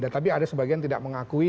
tapi ada sebagian tidak mengakui